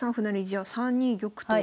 じゃあ３二玉と。